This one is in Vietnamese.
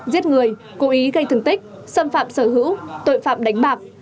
giết người cố ý gây thương tích xâm phạm sở hữu tội phạm đánh bạc